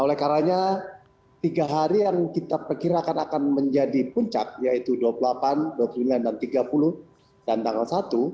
oleh karanya tiga hari yang kita perkirakan akan menjadi puncak yaitu dua puluh delapan dua puluh sembilan dan tiga puluh dan tanggal satu